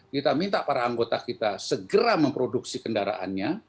kita minta para anggota kita segera memproduksi kendaraannya